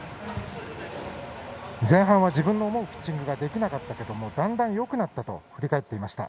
前半は自分の思うピッチングができなかったがだんだんよくなったと振り返っていました。